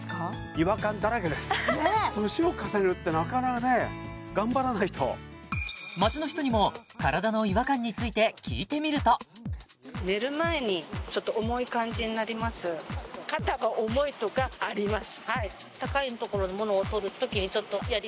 違和感だらけです年を重ねるってなかなかね頑張らないと街の人にも体の違和感について聞いてみるととかあります